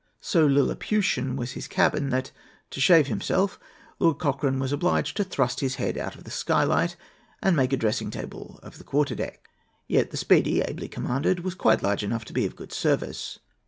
So Lilliputian was his cabin, that, to shave himself, Lord Cochrane was obliged to thrust his head out of the skylight and make a dressing table of the quarter deck. Yet the Speedy, ably commanded, was quite large enough to be of good service.